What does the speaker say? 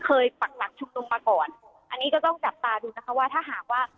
ปักหลักชุมนุมมาก่อนอันนี้ก็ต้องจับตาดูนะคะว่าถ้าหากว่า